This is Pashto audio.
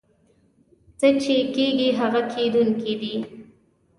څه چې کېږي هغه کېدونکي دي.